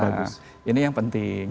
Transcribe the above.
nah ini yang penting ya